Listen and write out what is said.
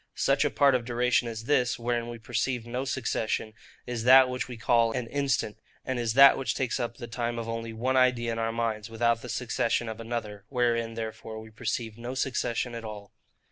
Such a part of duration as this, wherein we perceive no succession, is that which we call an INSTANT, and is that which takes up the time of only one idea in our minds, without the succession of another; wherein, therefore, we perceive no succession at all.